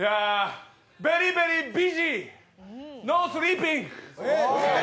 ベリーベリー・ビジー、ノー・スリーピング。